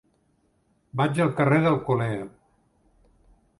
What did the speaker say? Vaig al carrer d'Alcolea.